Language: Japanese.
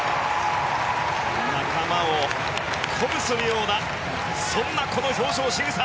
仲間を鼓舞するようなそんな表情、しぐさ。